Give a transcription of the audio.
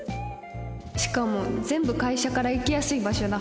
しかも全部会社から行きやすい場所だ